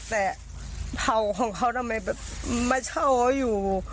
แต่เผาของเขาทำไมแบบมาเช่าเขาอยู่